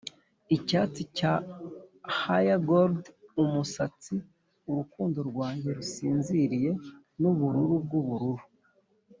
icyatsi cya haygold umusatsi, urukundo rwanjye rusinziriye, nubururu bwubururu